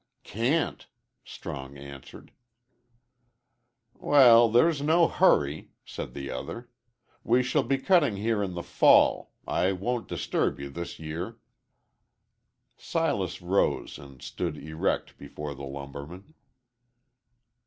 "Can't," Strong answered. "Well, there's no hurry," said the other. "We shall be cutting here in the fall. I won't disturb you this year." Silas rose and stood erect before the lumberman.